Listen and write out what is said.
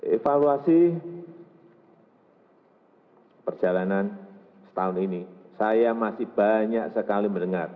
evaluasi perjalanan setahun ini saya masih banyak sekali mendengar